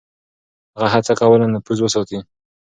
هغه هڅه کوله نفوذ وساتي.